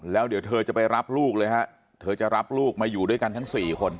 แล้วเดี๋ยวเธอจะไปรับลูกเลยฮะเธอจะรับลูกมาอยู่ด้วยกันทั้งสี่คน